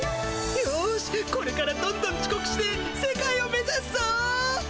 よしこれからどんどんちこくして世界をめざすぞ！